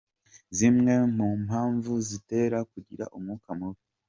Zimwe mu mpamvu zitera kugira umwuka mubi.